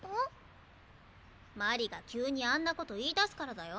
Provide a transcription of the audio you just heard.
鞠莉が急にあんなこと言いだすからだよ？